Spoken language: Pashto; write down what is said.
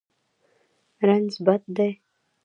رنځ بد دی.